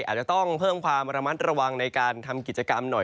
อาจจะต้องเพิ่มความระมัดระวังในการทำกิจกรรมหน่อย